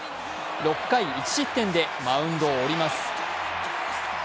６回１失点でマウンドを降ります。